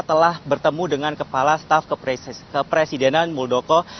telah bertemu dengan kepala staf kepresidenan muldoko